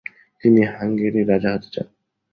তিনি হাঙ্গেরির রাজা হতে চান।